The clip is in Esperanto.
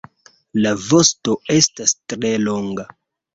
La vosto estas tre longa.